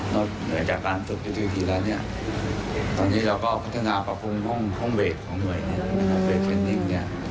นอกจากการฝึกยุทธวิธีแล้วตอนนี้เราก็พัฒนาปรับคลุมห้องเวทของหน่วยเวทเทรนนิ่ง